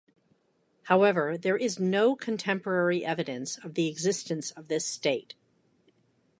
However, there is no contemporary evidence of the existence of this state.